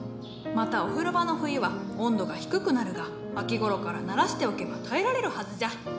またお風呂場の冬は温度が低くなるが秋ごろから慣らしておけば耐えられるはずじゃ。